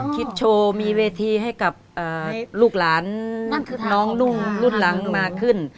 โชว์มีเวทีให้กับลูกหลานน้องรุ่งรุ่นหลังมากขึ้น